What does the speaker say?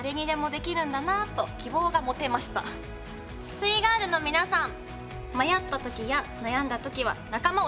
「すイガールのみなさん」。